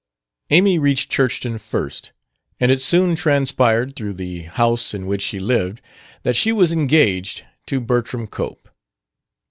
Amy reached Churchton first, and it soon transpired through the house in which she lived that she was engaged to Bertram Cope.